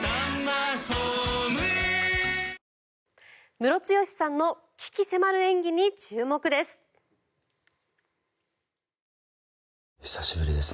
ムロツヨシさんの鬼気迫る演技に注目です。